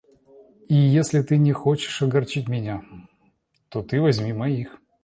И если ты не хочешь огорчить меня, то ты возьми моих.